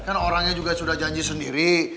kan orangnya juga sudah janji sendiri